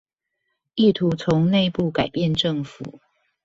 意圖從內部改變政府